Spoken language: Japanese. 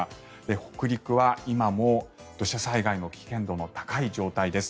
北陸は今も土砂災害の危険度の高い状態です。